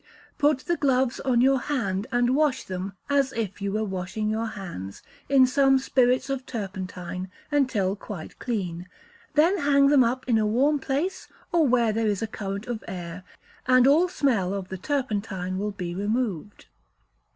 Put the gloves on your hand and wash them, as if you were washing your hands, in some spirits of turpentine, until quite clean; then hang them up in a warm place, or where there is a current of air, and all smell of the turpentine will be removed.